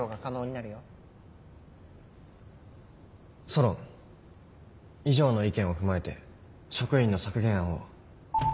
ソロン以上の意見を踏まえて職員の削減案を。